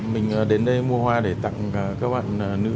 mình đến đây mua hoa để tặng các bạn nữ